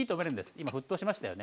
今沸騰しましたよね。